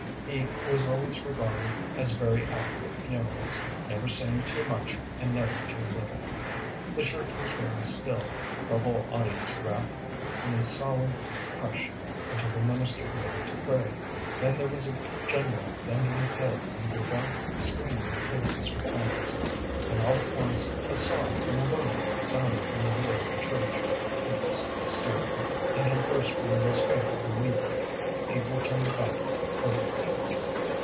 He was always regarded as very apt at funerals, never saying too much and never too little. The church was very still, the whole audience wrapped in a solemn hush, until the minister began to pray; then there was a general bending of heads and devout screening of faces with hands. Then all at once a sob from a woman sounded from the rear of the church. It was hysterical, and had burst from the restraint of the weeper. People turned about furtively.